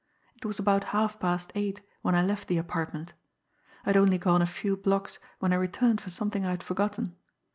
It was about halfpast eight when I left the apartment. I had only gone a few blocks when I returned for something I had forgotten.